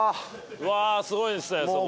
わあすごいですねそこ。